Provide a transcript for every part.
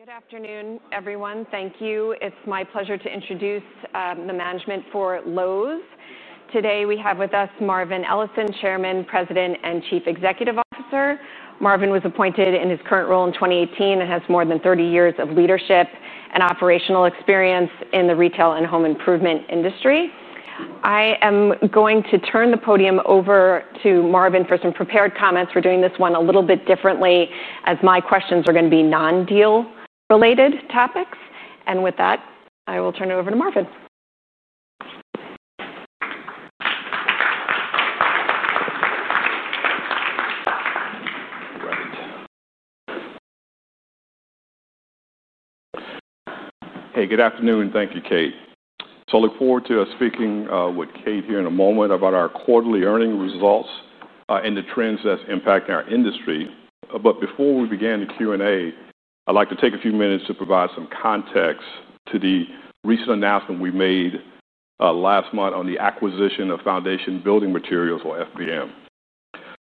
Good afternoon, everyone. Thank you. It's my pleasure to introduce the management for Lowe's. Today we have with us Marvin Ellison, Chairman, President, and Chief Executive Officer. Marvin was appointed in his current role in 2018 and has more than 30 years of leadership and operational experience in the retail and home improvement industry. I am going to turn the podium over to Marvin for some prepared comments. We're doing this one a little bit differently, as my questions are going to be non-deal-related topics. And with that, I will turn it over to Marvin. Great. Hey, good afternoon. Thank you, Kate. So I look forward to speaking with Kate here in a moment about our quarterly earnings results and the trends that's impacting our industry. But before we begin the Q&A, I'd like to take a few minutes to provide some context to the recent announcement we made last month on the acquisition of Foundation Building Materials, or FBM.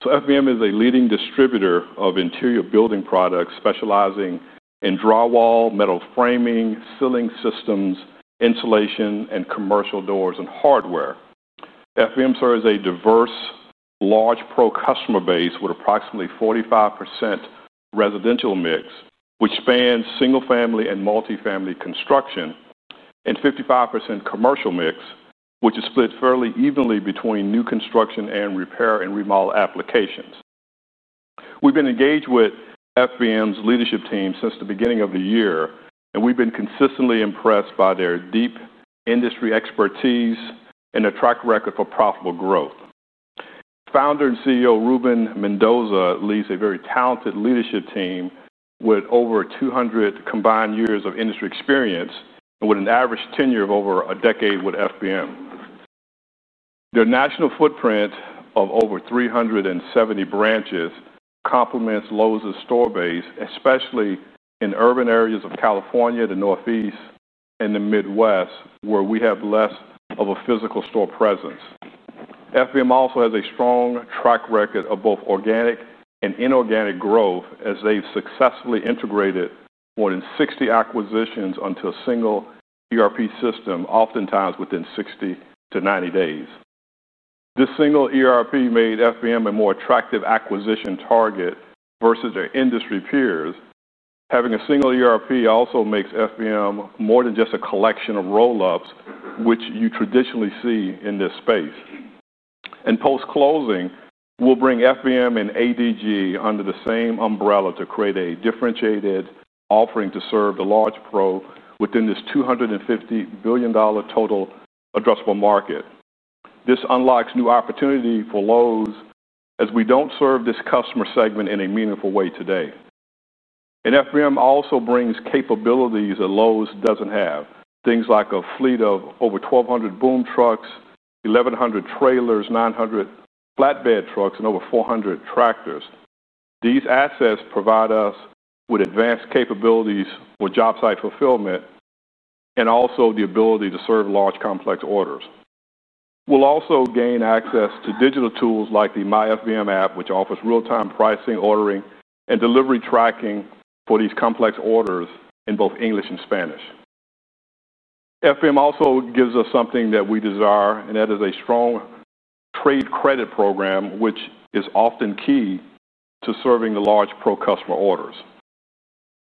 So FBM is a leading distributor of interior building products specializing in drywall, metal framing, ceiling systems, insulation, and commercial doors and hardware. FBM serves a diverse, large Pro customer base with approximately 45% residential mix, which spans single-family and multi-family construction, and 55% commercial mix, which is split fairly evenly between new construction and repair and remodel applications. We've been engaged with FBM's leadership team since the beginning of the year, and we've been consistently impressed by their deep industry expertise and their track record for profitable growth. Founder and CEO Ruben Mendoza leads a very talented leadership team with over 200 combined years of industry experience and with an average tenure of over a decade with FBM. Their national footprint of over 370 branches complements Lowe's store base, especially in urban areas of California, the Northeast, and the Midwest, where we have less of a physical store presence. FBM also has a strong track record of both organic and inorganic growth, as they've successfully integrated more than 60 acquisitions onto a single ERP system, oftentimes within 60-90 days. This single ERP made FBM a more attractive acquisition target versus their industry peers. Having a single ERP also makes FBM more than just a collection of roll-ups, which you traditionally see in this space. And post-closing, we'll bring FBM and ADG under the same umbrella to create a differentiated offering to serve the large Pro within this $250 billion total addressable market. This unlocks new opportunity for Lowe's, as we don't serve this customer segment in a meaningful way today. And FBM also brings capabilities that Lowe's doesn't have, things like a fleet of over 1,200 boom trucks, 1,100 trailers, 900 flatbed trucks, and over 400 tractors. These assets provide us with advanced capabilities for job site fulfillment and also the ability to serve large, complex orders. We'll also gain access to digital tools like the MyFBM app, which offers real-time pricing, ordering, and delivery tracking for these complex orders in both English and Spanish. FBM also gives us something that we desire, and that is a strong trade credit program, which is often key to serving the large Pro customer orders.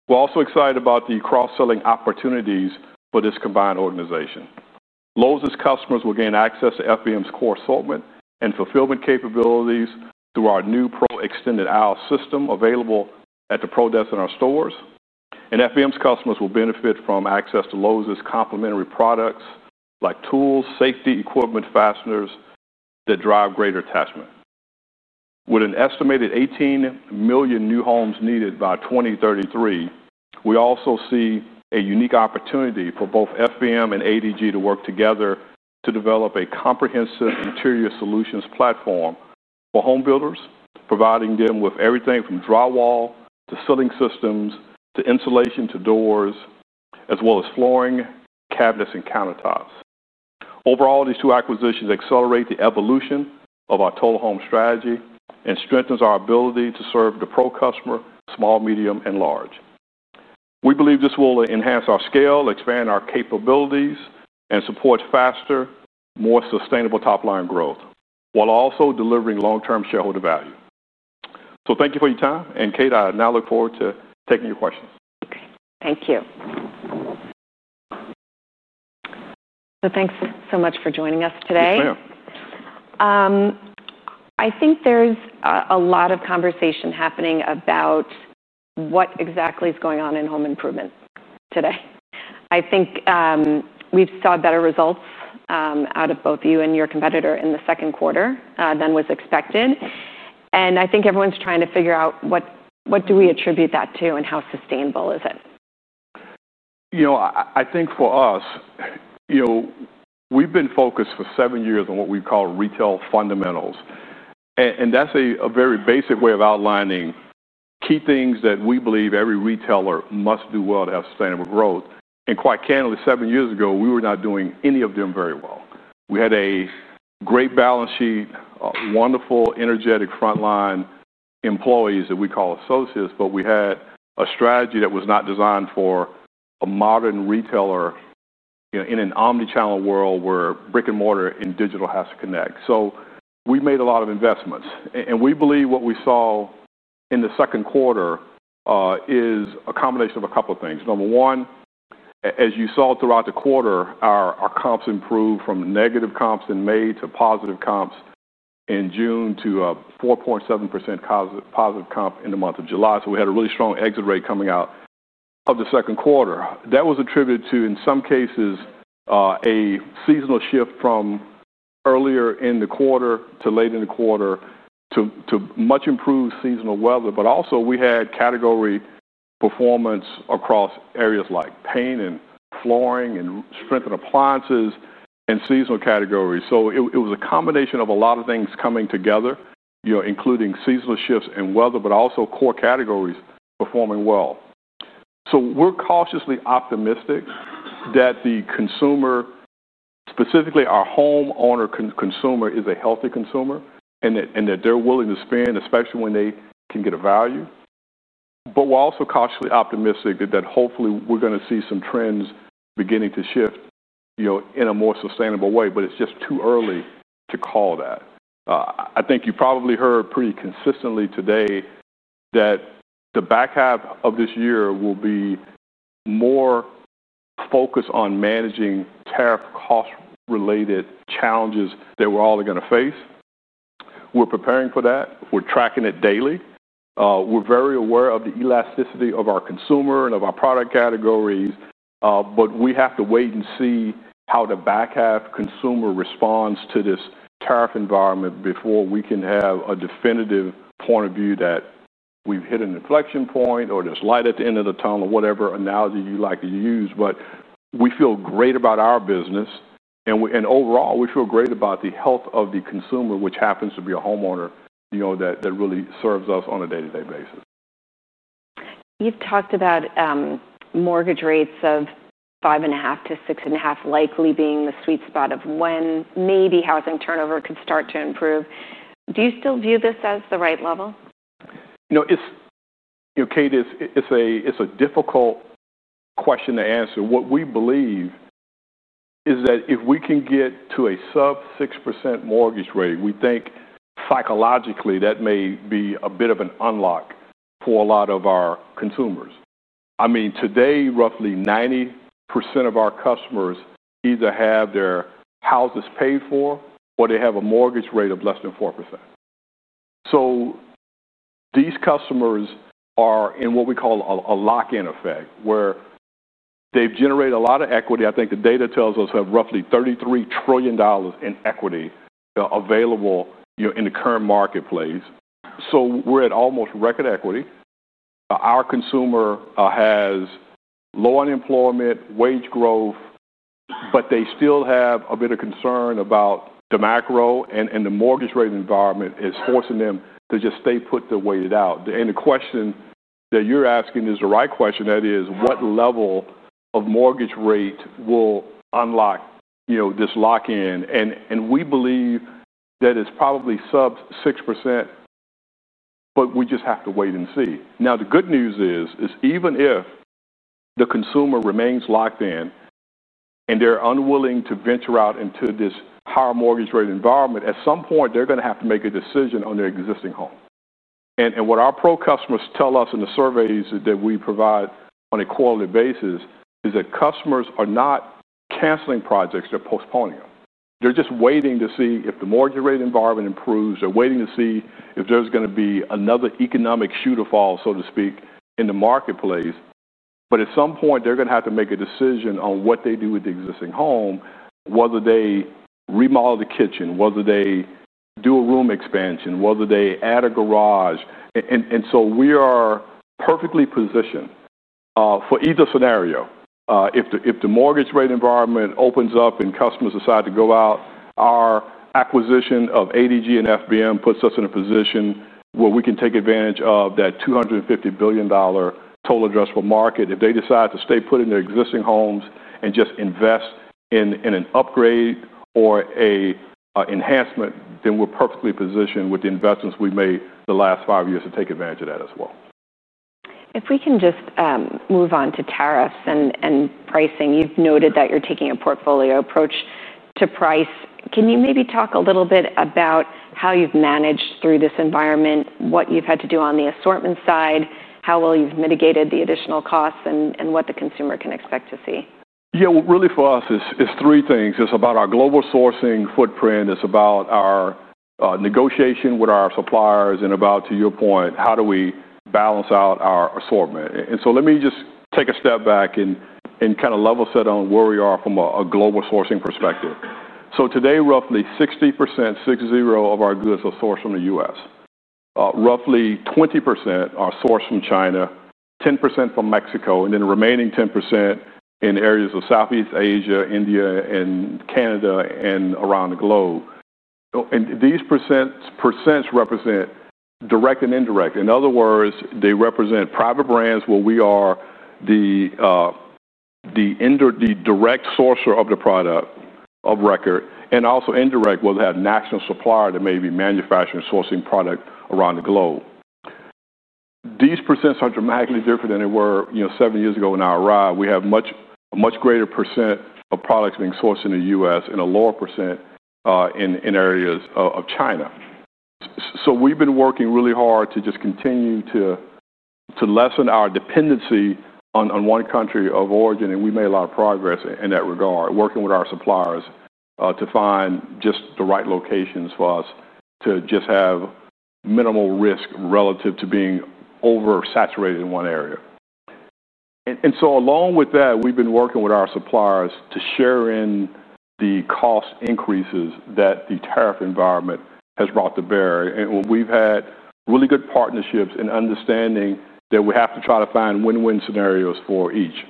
We're also excited about the cross-selling opportunities for this combined organization. Lowe's customers will gain access to FBM's core assortment and fulfillment capabilities through our new Pro Extended Aisle system available at the Pro desks in our stores, and FBM's customers will benefit from access to Lowe's complementary products like tools, safety, equipment, fasteners that drive greater attachment. With an estimated 18 million new homes needed by 2033, we also see a unique opportunity for both FBM and ADG to work together to develop a comprehensive interior solutions platform for home builders, providing them with everything from drywall to ceiling systems to insulation to doors, as well as flooring, cabinets, and countertops. Overall, these two acquisitions accelerate the evolution of our Total Home Strategy and strengthen our ability to serve the Pro customer, small, medium, and large. We believe this will enhance our scale, expand our capabilities, and support faster, more sustainable top-line growth while also delivering long-term shareholder value. So thank you for your time. And Kate, I now look forward to taking your questions. Thank you. So thanks so much for joining us today. Yes, ma'am. I think there's a lot of conversation happening about what exactly is going on in home improvement today. I think we've seen better results out of both you and your competitor in the second quarter than was expected, and I think everyone's trying to figure out what do we attribute that to and how sustainable is it. I think for us, we've been focused for seven years on what we call retail fundamentals, and that's a very basic way of outlining key things that we believe every retailer must do well to have sustainable growth, and quite candidly, seven years ago, we were not doing any of them very well. We had a great balance sheet, wonderful, energetic front-line employees that we call associates, but we had a strategy that was not designed for a modern retailer in an omnichannel world where brick and mortar and digital has to connect. So we made a lot of investments, and we believe what we saw in the second quarter is a combination of a couple of things. Number one, as you saw throughout the quarter, our comps improved from negative comps in May to positive comps in June to a 4.7% positive comp in the month of July. So we had a really strong exit rate coming out of the second quarter. That was attributed to, in some cases, a seasonal shift from earlier in the quarter to late in the quarter to much-improved seasonal weather. But also, we had category performance across areas like paint and flooring and strength and appliances and seasonal categories. So it was a combination of a lot of things coming together, including seasonal shifts and weather, but also core categories performing well. So we're cautiously optimistic that the consumer, specifically our homeowner consumer, is a healthy consumer and that they're willing to spend, especially when they can get a value. But we're also cautiously optimistic that hopefully we're going to see some trends beginning to shift in a more sustainable way, but it's just too early to call that. I think you probably heard pretty consistently today that the back half of this year will be more focused on managing tariff-cost-related challenges that we're all going to face. We're preparing for that. We're tracking it daily. We're very aware of the elasticity of our consumer and of our product categories. But we have to wait and see how the back half consumer responds to this tariff environment before we can have a definitive point of view that we've hit an inflection point or there's light at the end of the tunnel, whatever analogy you'd like to use. But we feel great about our business. And overall, we feel great about the health of the consumer, which happens to be a homeowner that really serves us on a day-to-day basis. You've talked about mortgage rates of five and a half to six and a half likely being the sweet spot of when maybe housing turnover could start to improve. Do you still view this as the right level? Kate, it's a difficult question to answer. What we believe is that if we can get to a sub-6% mortgage rate, we think psychologically that may be a bit of an unlock for a lot of our consumers. I mean, today, roughly 90% of our customers either have their houses paid for or they have a mortgage rate of less than 4%. So these customers are in what we call a lock-in effect, where they've generated a lot of equity. I think the data tells us we have roughly $33 trillion in equity available in the current marketplace. So we're at almost record equity. Our consumer has low unemployment, wage growth, but they still have a bit of concern about the macro, and the mortgage rate environment is forcing them to just stay put to wait it out, and the question that you're asking is the right question. That is, what level of mortgage rate will unlock this lock-in? And we believe that it's probably sub-6%, but we just have to wait and see. Now, the good news is, even if the consumer remains locked in and they're unwilling to venture out into this higher mortgage rate environment, at some point, they're going to have to make a decision on their existing home. And what our Pro customers tell us in the surveys that we provide on a quarterly basis is that customers are not canceling projects. They're postponing them. They're just waiting to see if the mortgage rate environment improves. They're waiting to see if there's going to be another economic shoe to fall, so to speak, in the marketplace. But at some point, they're going to have to make a decision on what they do with the existing home, whether they remodel the kitchen, whether they do a room expansion, whether they add a garage. And so we are perfectly positioned for either scenario. If the mortgage rate environment opens up and customers decide to go out, our acquisition of ADG and FBM puts us in a position where we can take advantage of that $250 billion total addressable market. If they decide to stay put in their existing homes and just invest in an upgrade or an enhancement, then we're perfectly positioned with the investments we made the last five years to take advantage of that as well. If we can just move on to tariffs and pricing. You've noted that you're taking a portfolio approach to price. Can you maybe talk a little bit about how you've managed through this environment, what you've had to do on the assortment side, how well you've mitigated the additional costs, and what the consumer can expect to see? Yeah. Really, for us, it's three things. It's about our global sourcing footprint. It's about our negotiation with our suppliers and about, to your point, how do we balance out our assortment. And so let me just take a step back and kind of level set on where we are from a global sourcing perspective. So today, roughly 60%, six-zero, of our goods are sourced from the U.S. Roughly 20% are sourced from China, 10% from Mexico, and then the remaining 10% in areas of Southeast Asia, India, and Canada, and around the globe. And these percents represent direct and indirect. In other words, they represent private brands where we are the direct sourcer of the product of record, and also indirect where they have national supplier that may be manufacturing sourcing product around the globe. These percents are dramatically different than they were seven years ago when I arrived. We have a much greater percent of products being sourced in the U.S. and a lower percent in areas of China. So we've been working really hard to just continue to lessen our dependency on one country of origin, and we made a lot of progress in that regard, working with our suppliers to find just the right locations for us to just have minimal risk relative to being oversaturated in one area. And so along with that, we've been working with our suppliers to share in the cost increases that the tariff environment has brought to bear. And we've had really good partnerships and understanding that we have to try to find win-win scenarios for each.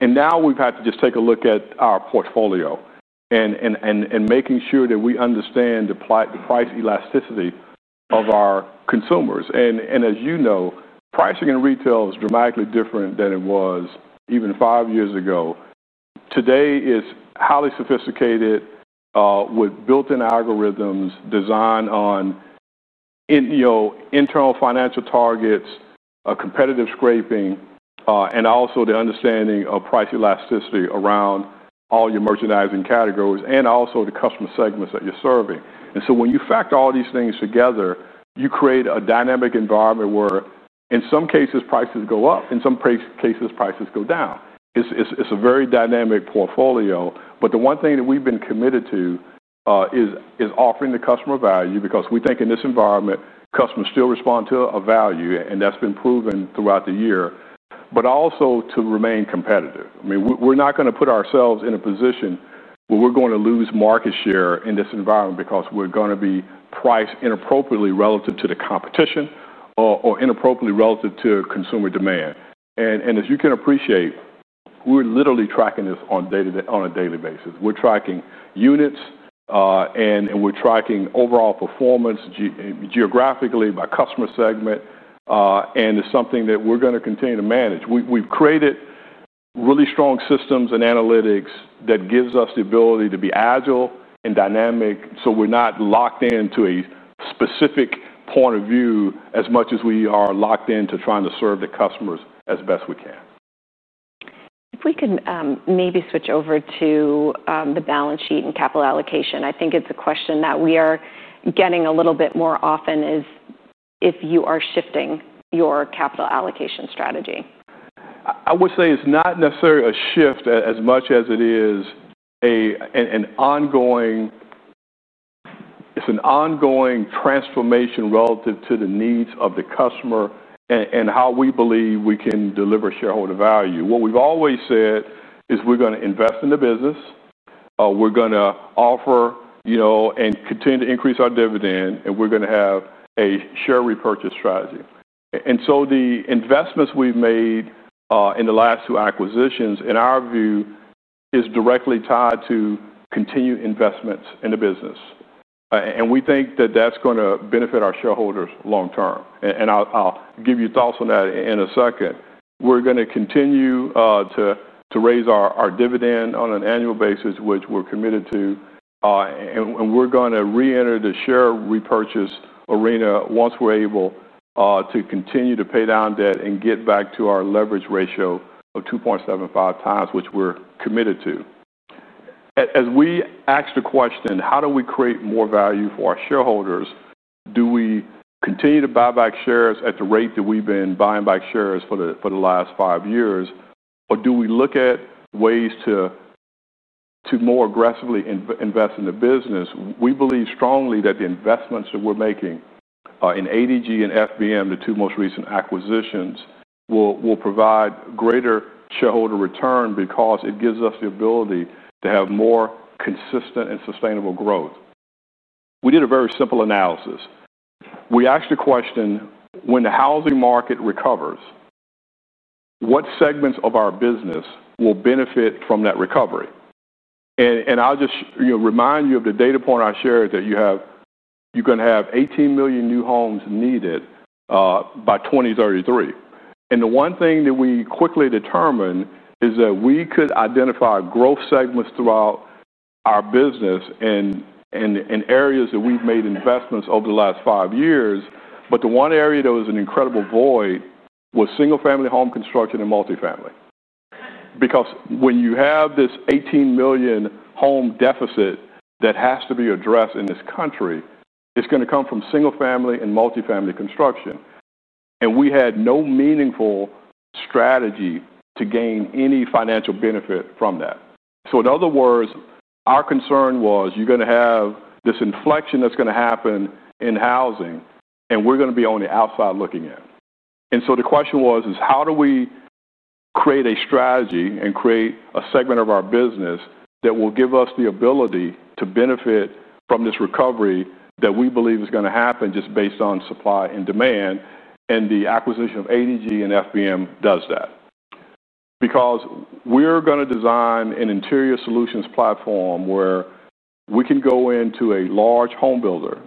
And now we've had to just take a look at our portfolio and making sure that we understand the price elasticity of our consumers. As you know, pricing in retail is dramatically different than it was even five years ago. Today, it's highly sophisticated with built-in algorithms designed on internal financial targets, competitive scraping, and also the understanding of price elasticity around all your merchandising categories and also the customer segments that you're serving. So when you factor all these things together, you create a dynamic environment where, in some cases, prices go up. In some cases, prices go down. It's a very dynamic portfolio. The one thing that we've been committed to is offering the customer value because we think in this environment, customers still respond to a value, and that's been proven throughout the year, but also to remain competitive. I mean, we're not going to put ourselves in a position where we're going to lose market share in this environment because we're going to be priced inappropriately relative to the competition or inappropriately relative to consumer demand. And as you can appreciate, we're literally tracking this on a daily basis. We're tracking units, and we're tracking overall performance geographically by customer segment. And it's something that we're going to continue to manage. We've created really strong systems and analytics that gives us the ability to be agile and dynamic so we're not locked into a specific point of view as much as we are locked into trying to serve the customers as best we can. If we can maybe switch over to the balance sheet and capital allocation, I think it's a question that we are getting a little bit more often is if you are shifting your capital allocation strategy. I would say it's not necessarily a shift as much as it is an ongoing transformation relative to the needs of the customer and how we believe we can deliver shareholder value. What we've always said is we're going to invest in the business. We're going to offer and continue to increase our dividend, and we're going to have a share repurchase strategy. And so the investments we've made in the last two acquisitions, in our view, are directly tied to continued investments in the business. And we think that that's going to benefit our shareholders long-term. And I'll give you thoughts on that in a second. We're going to continue to raise our dividend on an annual basis, which we're committed to. We're going to re-enter the share repurchase arena once we're able to continue to pay down debt and get back to our leverage ratio of 2.75 times, which we're committed to. As we ask the question, how do we create more value for our shareholders? Do we continue to buy back shares at the rate that we've been buying back shares for the last five years, or do we look at ways to more aggressively invest in the business? We believe strongly that the investments that we're making in ADG and FBM, the two most recent acquisitions, will provide greater shareholder return because it gives us the ability to have more consistent and sustainable growth. We did a very simple analysis. We asked the question, when the housing market recovers, what segments of our business will benefit from that recovery? I'll just remind you of the data point I shared that you're going to have 18 million new homes needed by 2033. The one thing that we quickly determined is that we could identify growth segments throughout our business in areas that we've made investments over the last five years. But the one area that was an incredible void was single-family home construction and multifamily. Because when you have this 18 million home deficit that has to be addressed in this country, it's going to come from single-family and multifamily construction. We had no meaningful strategy to gain any financial benefit from that. In other words, our concern was you're going to have this inflection that's going to happen in housing, and we're going to be on the outside looking in. The question was, how do we create a strategy and create a segment of our business that will give us the ability to benefit from this recovery that we believe is going to happen just based on supply and demand? The acquisition of ADG and FBM does that. Because we're going to design an interior solutions platform where we can go into a large homebuilder.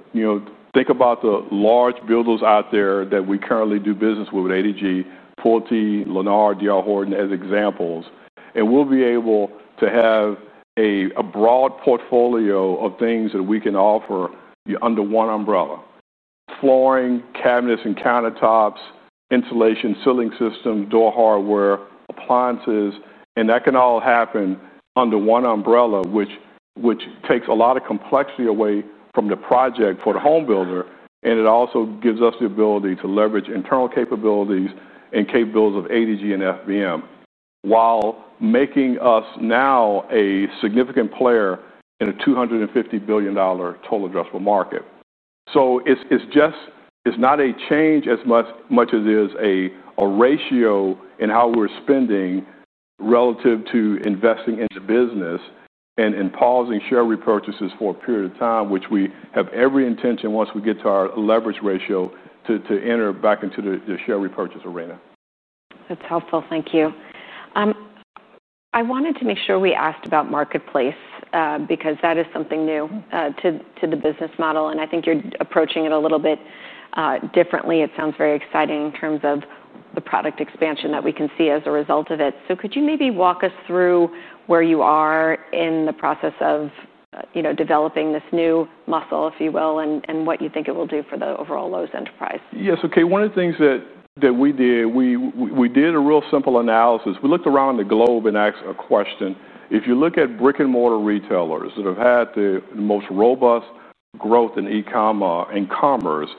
Think about the large builders out there that we currently do business with: ADG, PulteGroup, Lennar, D.R. Horton as examples. We'll be able to have a broad portfolio of things that we can offer under one umbrella: flooring, cabinets, and countertops, insulation, ceiling systems, door hardware, appliances. That can all happen under one umbrella, which takes a lot of complexity away from the project for the homebuilder. And it also gives us the ability to leverage internal capabilities and capabilities of ADG and FBM while making us now a significant player in a $250 billion total addressable market. So it's not a change as much as it is a ratio in how we're spending relative to investing in the business and pausing share repurchases for a period of time, which we have every intention once we get to our leverage ratio to enter back into the share repurchase arena. That's helpful. Thank you. I wanted to make sure we asked about marketplace because that is something new to the business model. And I think you're approaching it a little bit differently. It sounds very exciting in terms of the product expansion that we can see as a result of it. So could you maybe walk us through where you are in the process of developing this new muscle, if you will, and what you think it will do for the overall Lowe's enterprise? Yes. Okay. One of the things that we did, we did a real simple analysis. We looked around the globe and asked a question. If you look at brick-and-mortar retailers that have had the most robust growth in e-commerce,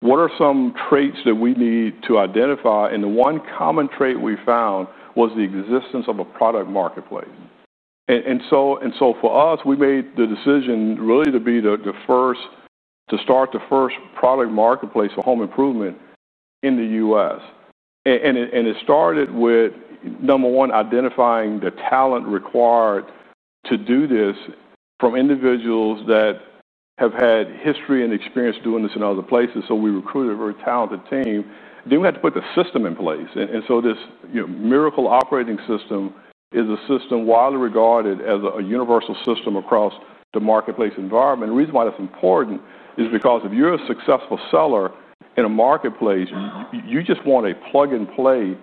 what are some traits that we need to identify? And the one common trait we found was the existence of a product marketplace. And so for us, we made the decision really to be the first to start the first product marketplace for home improvement in the U.S. And it started with, number one, identifying the talent required to do this from individuals that have had history and experience doing this in other places. So we recruited a very talented team. Then we had to put the system in place. And so this Mirakl operating system is a system widely regarded as a universal system across the marketplace environment. And the reason why that's important is because if you're a successful seller in a marketplace, you just want a plug-and-play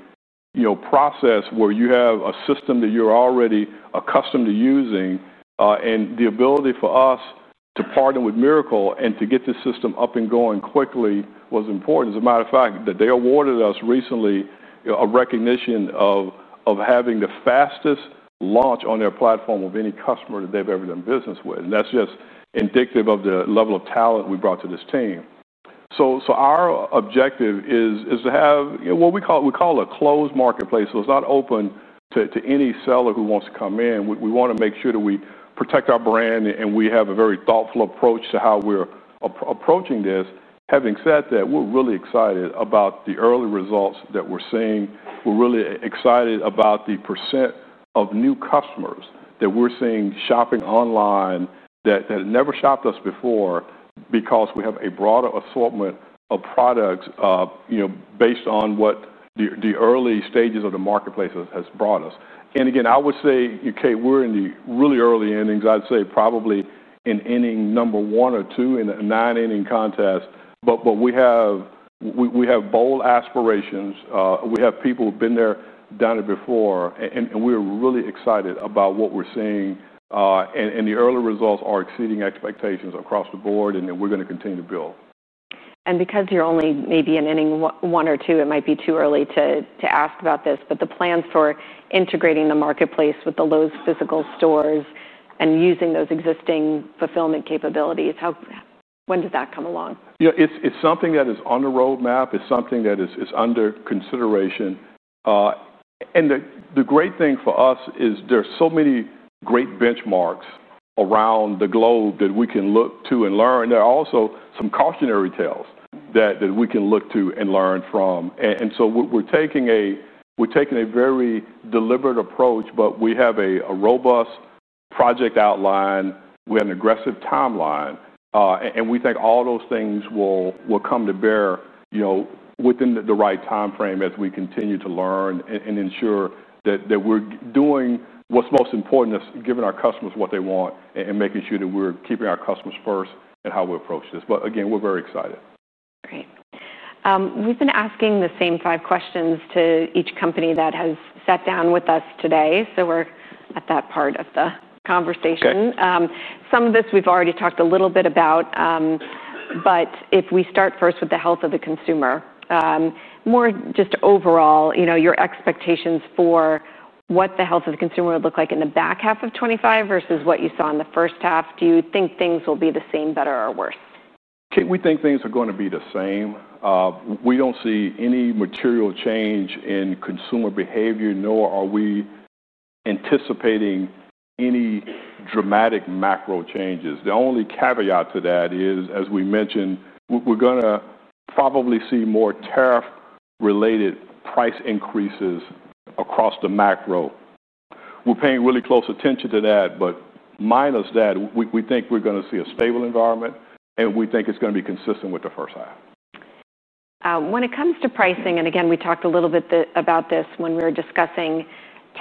process where you have a system that you're already accustomed to using. And the ability for us to partner with Mirakl and to get this system up and going quickly was important. As a matter of fact, they awarded us recently a recognition of having the fastest launch on their platform of any customer that they've ever done business with. And that's just indicative of the level of talent we brought to this team. So our objective is to have what we call a closed marketplace. So it's not open to any seller who wants to come in. We want to make sure that we protect our brand, and we have a very thoughtful approach to how we're approaching this. Having said that, we're really excited about the early results that we're seeing. We're really excited about the percent of new customers that we're seeing shopping online that never shopped us before because we have a broader assortment of products based on what the early stages of the marketplace has brought us, and again, I would say, okay, we're in the really early innings. I'd say probably in inning number one or two in a nine-inning contest, but we have bold aspirations. We have people who've been there done it before, and we're really excited about what we're seeing, and the early results are exceeding expectations across the board, and we're going to continue to build. Because you're only maybe in inning one or two, it might be too early to ask about this, but the plans for integrating the marketplace with the Lowe's physical stores and using those existing fulfillment capabilities, when does that come along? Yeah. It's something that is on the roadmap. It's something that is under consideration. And the great thing for us is there are so many great benchmarks around the globe that we can look to and learn. There are also some cautionary tales that we can look to and learn from. And so we're taking a very deliberate approach, but we have a robust project outline. We have an aggressive timeline. And we think all those things will come to bear within the right timeframe as we continue to learn and ensure that we're doing what's most important is giving our customers what they want and making sure that we're keeping our customers first in how we approach this. But again, we're very excited. Great. We've been asking the same five questions to each company that has sat down with us today. So we're at that part of the conversation. Some of this we've already talked a little bit about. But if we start first with the health of the consumer, more just overall, your expectations for what the health of the consumer would look like in the back half of 2025 versus what you saw in the first half, do you think things will be the same, better, or worse? Okay. We think things are going to be the same. We don't see any material change in consumer behavior, nor are we anticipating any dramatic macro changes. The only caveat to that is, as we mentioned, we're going to probably see more tariff-related price increases across the macro. We're paying really close attention to that, but minus that, we think we're going to see a stable environment, and we think it's going to be consistent with the first half. When it comes to pricing, and again, we talked a little bit about this when we were discussing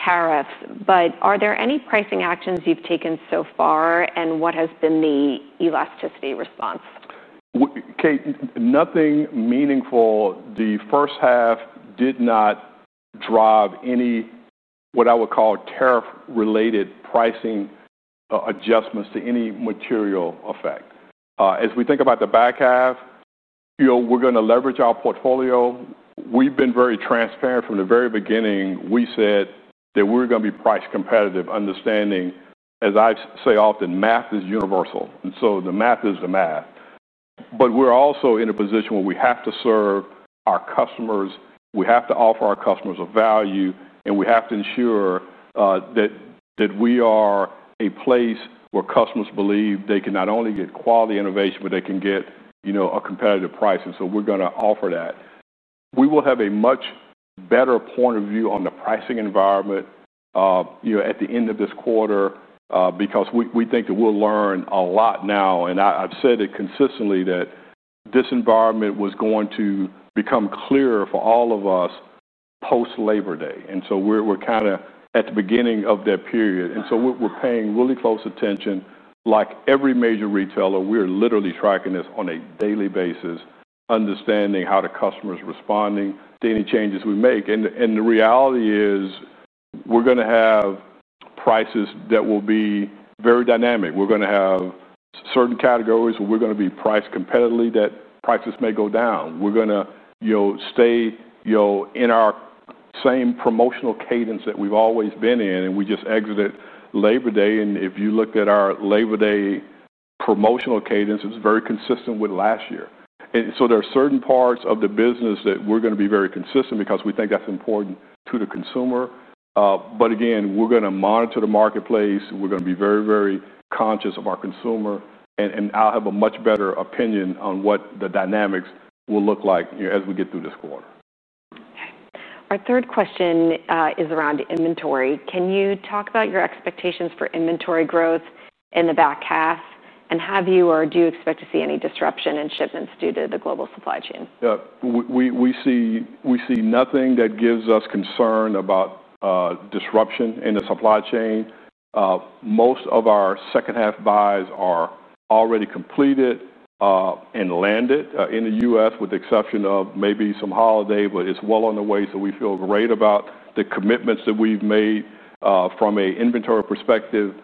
tariffs, but are there any pricing actions you've taken so far, and what has been the elasticity response? Okay. Nothing meaningful. The first half did not drive any what I would call tariff-related pricing adjustments to any material effect. As we think about the back half, we're going to leverage our portfolio. We've been very transparent from the very beginning. We said that we're going to be price competitive, understanding, as I say often, math is universal, and so the math is the math, but we're also in a position where we have to serve our customers. We have to offer our customers a value, and we have to ensure that we are a place where customers believe they can not only get quality innovation, but they can get a competitive price, and so we're going to offer that. We will have a much better point of view on the pricing environment at the end of this quarter because we think that we'll learn a lot now. I've said it consistently that this environment was going to become clearer for all of us post-Labor Day. So we're kind of at the beginning of that period. We're paying really close attention. Like every major retailer, we're literally tracking this on a daily basis, understanding how the customer's responding to any changes we make. The reality is we're going to have prices that will be very dynamic. We're going to have certain categories where we're going to be priced competitively that prices may go down. We're going to stay in our same promotional cadence that we've always been in, and we just exited Labor Day. If you looked at our Labor Day promotional cadence, it's very consistent with last year. And so there are certain parts of the business that we're going to be very consistent because we think that's important to the consumer. But again, we're going to monitor the marketplace. We're going to be very, very conscious of our consumer. And I'll have a much better opinion on what the dynamics will look like as we get through this quarter. Okay. Our third question is around inventory. Can you talk about your expectations for inventory growth in the back half? And have you or do you expect to see any disruption in shipments due to the global supply chain? Yeah. We see nothing that gives us concern about disruption in the supply chain. Most of our second-half buys are already completed and landed in the U.S., with the exception of maybe some holiday, but it's well on the way. So we feel great about the commitments that we've made from an inventory perspective.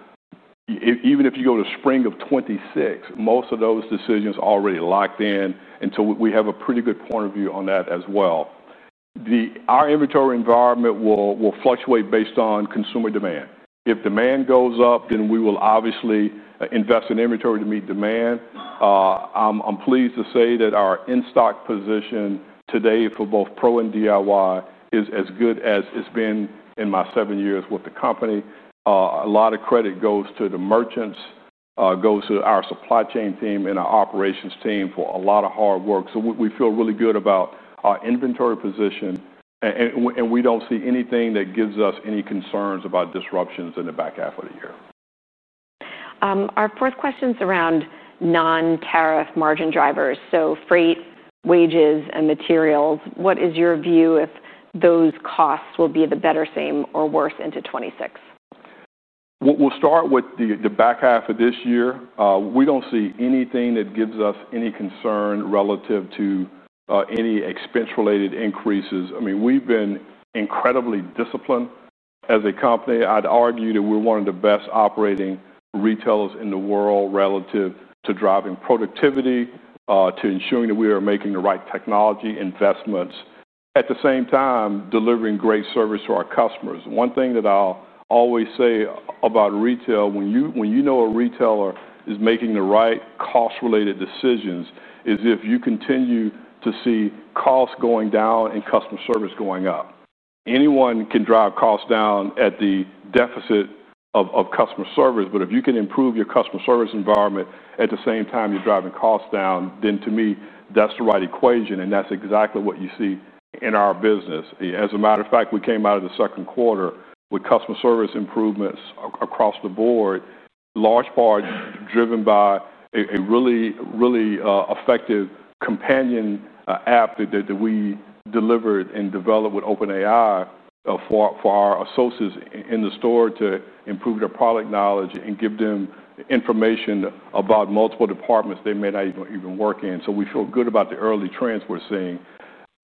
Even if you go to spring of 2026, most of those decisions are already locked in. And so we have a pretty good point of view on that as well. Our inventory environment will fluctuate based on consumer demand. If demand goes up, then we will obviously invest in inventory to meet demand. I'm pleased to say that our in-stock position today for both Pro and DIY is as good as it's been in my seven years with the company. A lot of credit goes to the merchants, goes to our supply chain team, and our operations team for a lot of hard work, so we feel really good about our inventory position, and we don't see anything that gives us any concerns about disruptions in the back half of the year. Our fourth question is around non-tariff margin drivers. So freight, wages, and materials. What is your view if those costs will be better, same, or worse into 2026? We'll start with the back half of this year. We don't see anything that gives us any concern relative to any expense-related increases. I mean, we've been incredibly disciplined as a company. I'd argue that we're one of the best operating retailers in the world relative to driving productivity, to ensuring that we are making the right technology investments, at the same time delivering great service to our customers. One thing that I'll always say about retail, when you know a retailer is making the right cost-related decisions, is if you continue to see costs going down and customer service going up. Anyone can drive costs down at the deficit of customer service. But if you can improve your customer service environment at the same time you're driving costs down, then to me, that's the right equation. And that's exactly what you see in our business. As a matter of fact, we came out of the second quarter with customer service improvements across the board, large part driven by a really, really effective companion app that we delivered and developed with OpenAI for our associates in the store to improve their product knowledge and give them information about multiple departments they may not even work in. We feel good about the early trends we're seeing.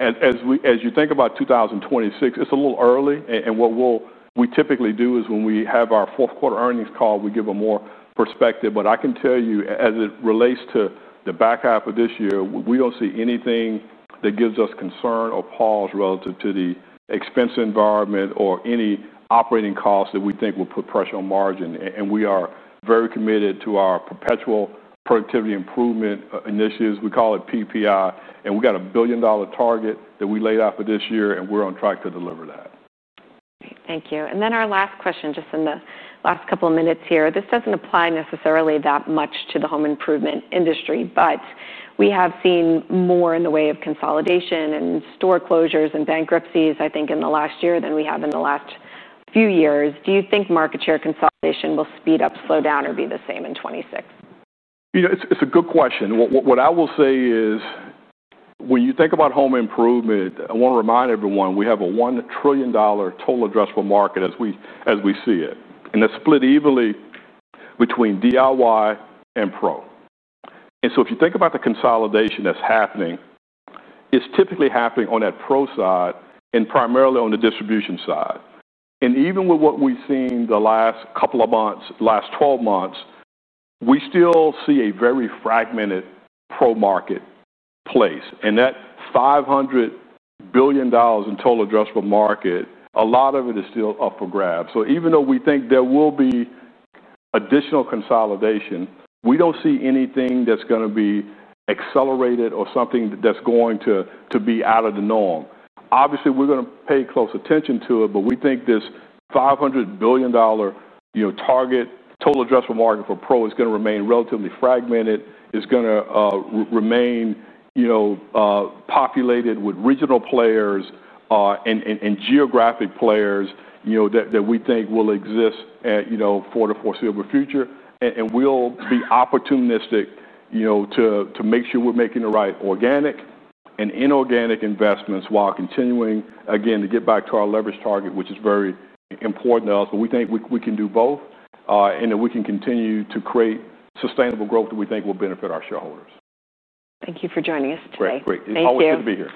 As you think about 2026, it's a little early, and what we typically do is when we have our fourth-quarter earnings call, we give a more perspective. I can tell you, as it relates to the back half of this year, we don't see anything that gives us concern or pause relative to the expense environment or any operating costs that we think will put pressure on margin, and we are very committed to our Perpetual Productivity Improvement initiatives. We call it PPI. And we got a $1 billion target that we laid out for this year, and we're on track to deliver that. Thank you. And then our last question, just in the last couple of minutes here. This doesn't apply necessarily that much to the home improvement industry, but we have seen more in the way of consolidation and store closures and bankruptcies, I think, in the last year than we have in the last few years. Do you think market share consolidation will speed up, slow down, or be the same in 2026? It's a good question. What I will say is when you think about home improvement, I want to remind everyone we have a $1 trillion total addressable market as we see it. And it's split evenly between DIY and Pro. And so if you think about the consolidation that's happening, it's typically happening on that Pro side and primarily on the distribution side. And even with what we've seen the last couple of months, last 12 months, we still see a very fragmented Pro marketplace. And that $500 billion in total addressable market, a lot of it is still up for grabs. So even though we think there will be additional consolidation, we don't see anything that's going to be accelerated or something that's going to be out of the norm. Obviously, we're going to pay close attention to it, but we think this $500 billion total addressable market for Pro is going to remain relatively fragmented. It's going to remain populated with regional players and geographic players that we think will exist for the foreseeable future, and we'll be opportunistic to make sure we're making the right organic and inorganic investments while continuing, again, to get back to our leverage target, which is very important to us, but we think we can do both and that we can continue to create sustainable growth that we think will benefit our shareholders. Thank you for joining us today. Great. Thank you. It's always good to be here.